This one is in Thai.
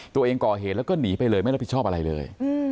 ตัวเองก่อเหตุแล้วก็หนีไปเลยไม่รับผิดชอบอะไรเลย